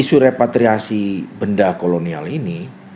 isu repatriasi benda kolonial ini